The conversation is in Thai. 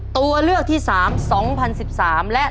ตัวเลือกที่สาม